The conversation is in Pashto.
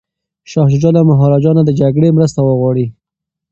شاه شجاع له مهاراجا نه د جګړې مرسته غواړي.